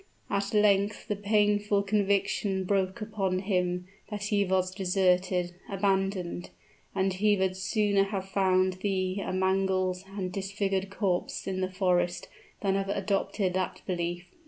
At length the painful conviction broke upon him that he was deserted abandoned; and he would sooner have found thee a mangled and disfigured corpse in the forest than have adopted that belief.